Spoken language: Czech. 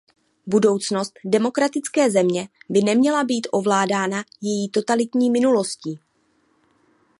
Budoucnost demokratické země by neměla být ovládána její totalitní minulostí.